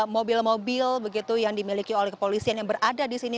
mobil mobil begitu yang dimiliki oleh kepolisian yang berada di sini